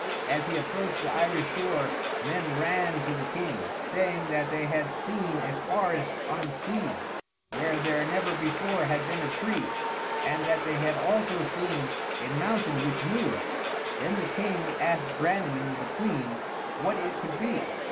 As he approached the Irish shore, men ran to the king, saying that they had seen a forest on the sea, where there never before had been a tree, and that they had also seen a mountain which moved. Then the king asked Branwen, the queen, what it could be.